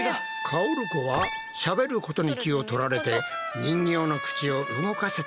かおるこはしゃべることに気を取られて人形の口を動かせていなかった。